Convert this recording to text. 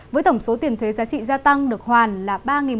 với tổng số tiền thuế giá trị gia tăng được hoàn là ba một trăm tám mươi tám sáu